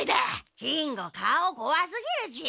金吾顔こわすぎるし。